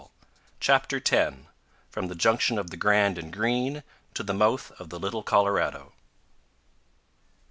211 CHAPTER X. FROM THE JUNCTION OF THE GRAND AND GREEN TO THE MOUTH OF THE LITTLE COLORADO.